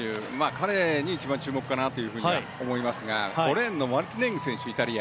彼に一番注目かなと思いますが５レーンのイタリアのマルティネンギ選手。